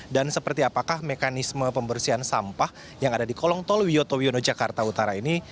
seperti apakah mekanisme pembersihan sampah yang ada di kolong tol wiyoto wiono jakarta utara ini